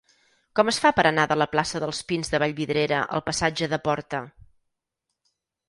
Com es fa per anar de la plaça dels Pins de Vallvidrera al passatge de Porta?